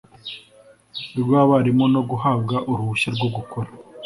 rw abarimu no guhabwa uruhushya rwo gukora